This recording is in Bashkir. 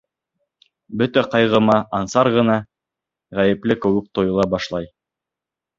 Бөтә ҡайғыма Ансар ғына ғәйепле кеүек тойола башлай...